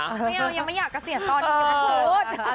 ไม่เอายังไม่อยากกระเซียนตอนนี้